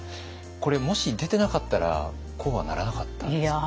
これもし出てなかったらこうはならなかったんですか？